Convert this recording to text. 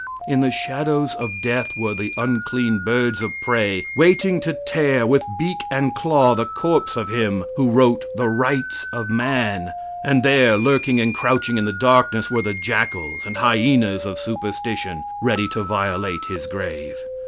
In the shadows of death were the unclean birds of prey waiting to tear, with beak and claw, the corpse of him who wrote the "Rights of Man," and there lurking and crouching in the darkness, were the jackals and hyenas of superstition, ready to violate his grave.